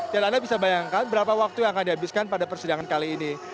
dan anda bisa bayangkan berapa waktu yang akan dihabiskan pada persidangan kali ini